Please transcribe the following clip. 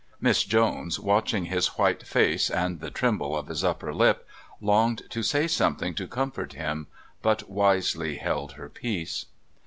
Miss Jones, watching his white face and the tremble of his upper lip, longed to say something to comfort him, but wisely held her peace.